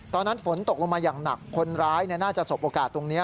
ตอนนั้นฝนตกลงมาอย่างหนักคนร้ายน่าจะสบโอกาสตรงนี้